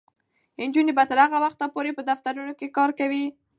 نجونې به تر هغه وخته پورې په دفترونو کې کار کوي.